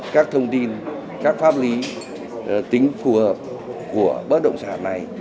các thông tin các pháp lý tính phù hợp của bất động sản này